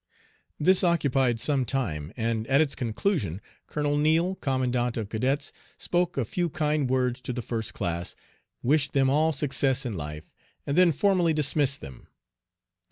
This occupied some time, and at its conclusion Colonel Neil, Commandant of Cadets, spoke a few kind words to the First Class, wished them all success in life, and then formally dismissed them.